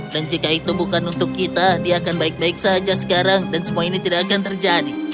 jika itu bukan untuk kita dia akan baik baik saja sekarang dan semua ini tidak akan terjadi